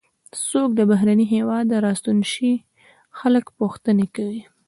څوک له بهرني هېواده راستون شي خلک پوښتنې کوي.